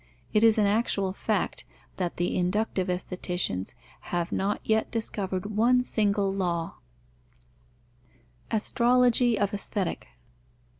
It is an actual fact, that the inductive aestheticians have not yet discovered one single law. _Astrology of Aesthetic.